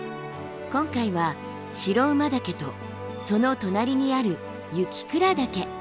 今回は白馬岳とその隣にある雪倉岳。